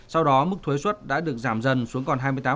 sau đó mức thuế xuất đã được giảm dần xuống còn hai mươi tám